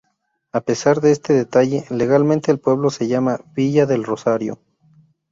A pesar de este detalle, legalmente el pueblo se llama Villa del Rosario.